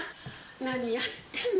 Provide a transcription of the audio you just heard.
何やってんの？